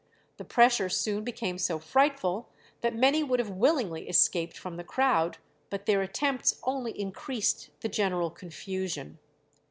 The pressure soon became so frightful that many would have willingly escaped from the crowd; but their attempts only increased the general confusion.